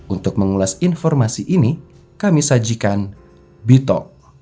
untuk mengulas informasi ini kami sajikan bito